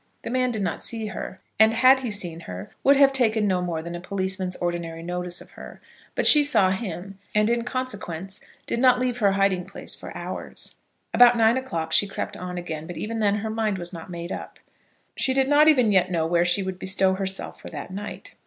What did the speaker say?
The man did not see her, and had he seen her would have taken no more than a policeman's ordinary notice of her; but she saw him, and in consequence did not leave her hiding place for hours. About nine o'clock she crept on again, but even then her mind was not made up. She did not even yet know where she would bestow herself for that night.